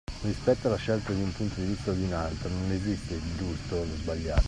Rispetto alle scelta di un punto di vista o di un altro, non esiste il giusto o lo sbagliato.